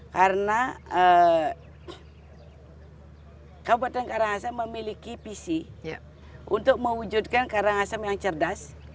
karena kabupaten karangasem memiliki visi untuk mewujudkan karangasem yang cerdas